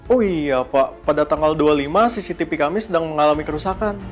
oh iya pak pada tanggal dua puluh lima cctv kami sedang mengalami kerusakan